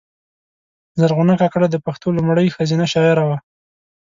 زرغونه کاکړه د پښتو لومړۍ ښځینه شاعره وه